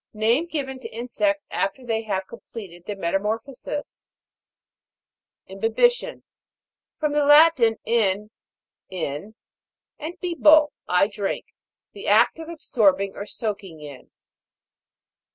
Name given to insects after they have completed their metamorphosis. IMBIBI'TION. From the Latin, in, in, and bibo, I drink. The act of absorbing or soaking in.